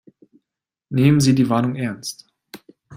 Nehmen Sie die Warnung ernst.